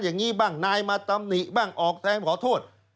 อย่างนี้บ้างนายมาตำหนิบ้างออกแทนขอโทษ